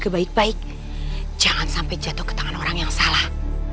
baik baik jangan sampai jatuh ke tangan orang yang salah